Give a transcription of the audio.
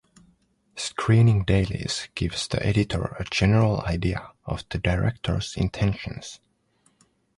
Screening dailies gives the editor a general idea of the director's intentions.